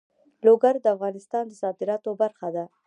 لوگر د افغانستان د صادراتو برخه ده.